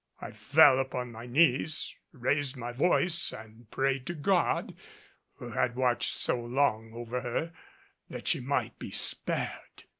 I fell upon my knees, raised my voice and prayed to God, who had watched so long over her, that she might be spared.